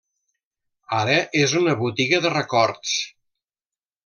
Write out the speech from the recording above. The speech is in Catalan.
Ara és una botiga de records.